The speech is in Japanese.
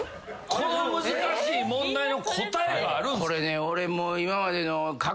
この難しい問題の答えがあるんすか？